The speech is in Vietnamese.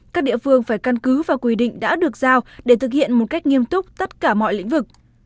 các địa phương phải căn cứ và quy định đã được giao để thực hiện một cách nghiêm túc tất cả mọi lĩnh vực